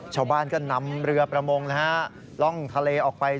ชาวบ้านก็นำเรือประมงล่องทะเลออกไป